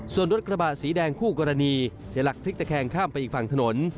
ส่วนรถกระบะสีแดงคู่กรณีเสียหลักพลิกตะแคงข้ามไปอีกฝั่งถนน